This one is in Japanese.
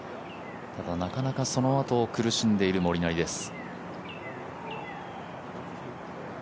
ただなかなかそのあと苦しんでいるモリナリです。